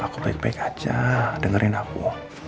aku baik baik aja dengerin aku